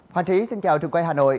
hoàng trí xin chào trường quay hà nội